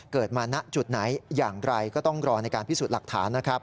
เกิดมาณจุดไหนอย่างไรก็ต้องรอในการพิสูจน์หลักฐานนะครับ